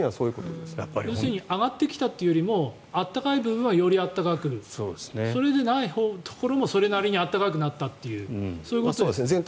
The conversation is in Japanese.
要するに上がってきたというより暖かい部分はより暖かくそれでないところもそれなりに暖かくなったというそういうことですか？